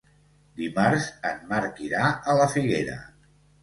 Dimarts en Marc irà a la Figuera.